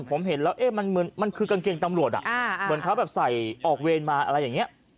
ผมเห็นแล้วเอ๊ะมันคือกางเกงตำรวจเหมือนเขาแบบใส่ออกเวรมาอะไรอย่างนี้